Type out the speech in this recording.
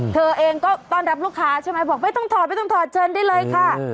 เธอเองก็ต้อนรับลูกค้าใช่ไหมบอกไม่ต้องถอดไม่ต้องถอดเชิญได้เลยค่ะ